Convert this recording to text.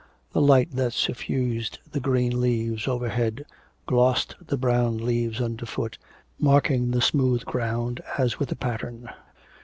The light that suffused the green leaves overhead glossed the brown leaves underfoot, marking the smooth grosund as with a pattern.